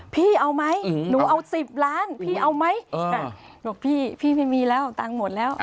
พี่เอาไหมหนูเอา๑๐ล้านพี่เอาไหมบอกพี่พี่ไม่มีแล้วเอาตังค์หมดแล้ว